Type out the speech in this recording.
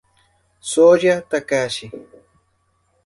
Soya Takahashi